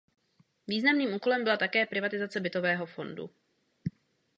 Významným úkolem byla také privatizace bytového fondu.